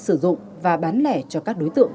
sử dụng và bán lẻ cho các đối tượng